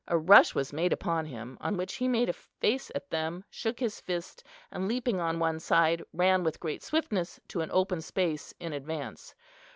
A rush was made upon him, on which he made a face at them, shook his fist, and leaping on one side, ran with great swiftness to an open space in advance.